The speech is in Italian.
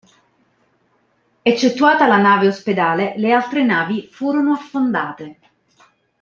Eccettuata la nave ospedale, le altre navi furono affondate.